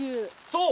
そう！